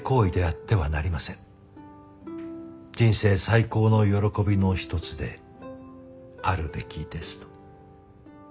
「人生最高の喜びのひとつであるべきです」と。